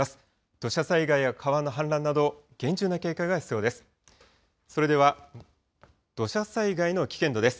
土砂災害や川の氾濫など、厳重な警戒が必要です。